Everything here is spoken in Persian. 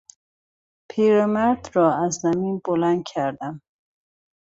پیرمرد را از زمین بلند کردم.